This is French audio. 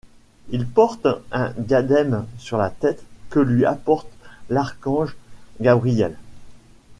Il porte un diadème sur la tête que lui apporte l'archange Gabriel.